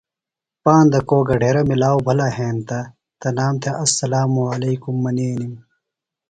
پاندہ کو گڈھیرہ ملاؤ بِھلہ ہینتہ تنام تھےۡ اسلام علیکُم منینِم۔